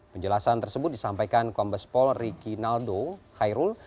penjelasan tersebut disampaikan kombes polri kinaldo khairul